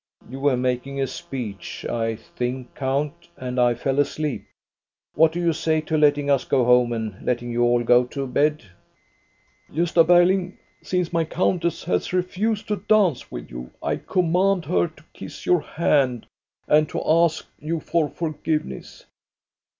" You were making a speech, I think, count, and I fell asleep. What do you say to letting us go home and letting you all go to bed ?"" Gosta Berling, since my countess has refused to dance with you, I command her to kiss your hand and to ask you for forgiveness."